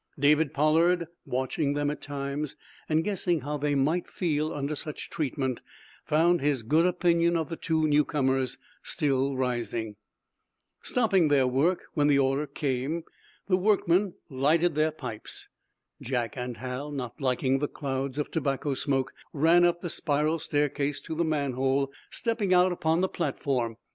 David Pollard, watching them at times, and guessing how they might feel under such treatment, found his good opinion of the two newcomers still rising. Stopping their work, when the order came, the workmen lighted their pipes. Jack and Hal, not liking the clouds of tobacco smoke, ran up the spiral staircase to the manhole, stepping, out upon the platform.